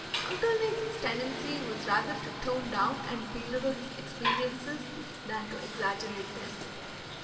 Uncle Nathan's tendency was rather to tone down and belittle his experiences than to exaggerate them.